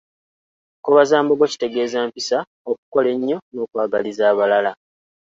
Nkobazambogo kitegeeza mpisa, okukola ennyo n’okwagaliza abalala.